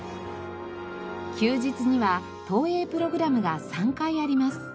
休日には投影プログラムが３回あります。